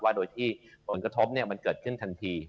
ว่าโดยที่ผลกระทบเงินก็ยังเกิดขึ้นทันที